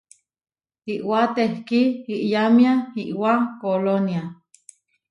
Iʼwá tehkí iyámia iʼwá Kolónia.